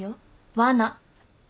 わな。